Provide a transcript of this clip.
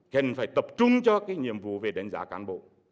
cần phải tập trung cho cái nhiệm vụ về đánh giá cán bộ